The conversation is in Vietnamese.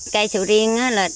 cây sầu riêng đó là